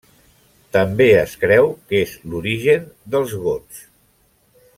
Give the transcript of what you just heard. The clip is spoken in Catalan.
També es creu que és l'origen dels Gots.